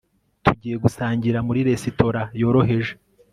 tugiye gusangira muri resitora yoroheje